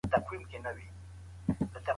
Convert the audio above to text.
مختاراحمد انتقام عبدالرسول نوښت